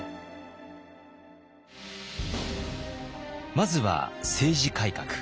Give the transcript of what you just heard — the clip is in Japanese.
まずは政治改革。